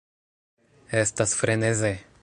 Estas freneze!